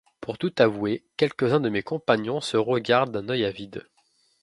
Pour tout avouer, quelques-uns de mes compagnons se regardent d’un œil avide.